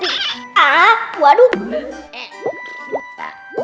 ya enggak waduh